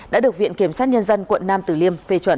đã được viện kiểm sát nhân dân quận nam tử liêm phê chuẩn